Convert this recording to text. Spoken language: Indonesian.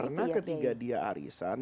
karena ketika dia arisan